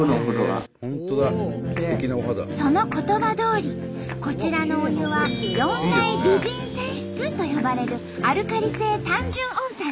その言葉どおりこちらのお湯は「四大美人泉質」と呼ばれるアルカリ性単純温泉。